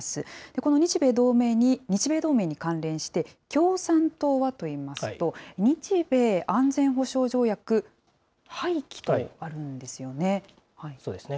この日米同盟に関連して、共産党はといいますと、日米安全保障条約廃棄とあるんですよね。